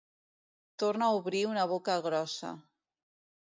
Torna a obrir una boca grossa.